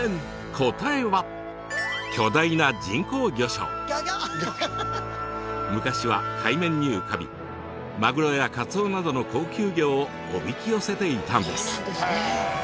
答えは昔は海面に浮かびマグロやカツオなどの高級魚をおびき寄せていたんです。